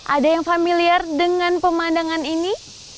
ada yang familiar dengan pemandangan ini